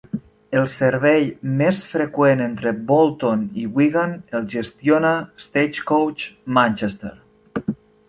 El servei més freqüent entre Bolton i Wigan el gestiona Stagecoach Manchester.